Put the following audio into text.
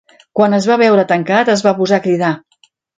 Quan es va veure tancat, es va posar a cridar.